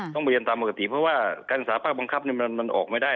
ต้องไปเรียนตามปกติเพราะว่าการศึกษาภาคบังคับมันออกไม่ได้